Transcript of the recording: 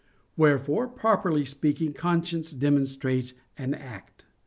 Wherefore, properly speaking, conscience denominates an act.